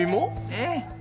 ええ。